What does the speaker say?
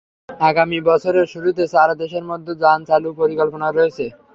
আগামী বছরের শুরুতে চার দেশের মধ্যে যান চালু করার পরিকল্পনা রয়েছে।